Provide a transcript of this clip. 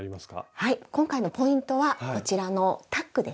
今回のポイントはこちらのタックですね。